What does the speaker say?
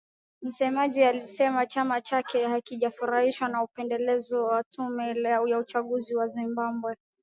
Msemaji alisema chama chake hakijafurahishwa na upendeleo wa tume ya uchaguzi wa Zimbabwe